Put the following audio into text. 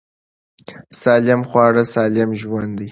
سالم خواړه سالم ژوند دی.